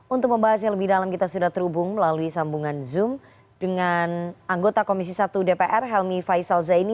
untuk membahas yang lebih dalam kita sudah terhubung melalui sambungan zoom dengan anggota komisi satu dpr helmi faisal zaini